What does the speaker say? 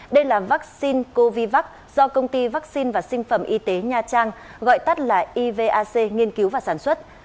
đây là vaccine covid do công ty vaccine và sinh phẩm y tế nha trang gọi tắt là ivac nghiên cứu và sản xuất